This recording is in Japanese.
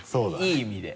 「いい意味で」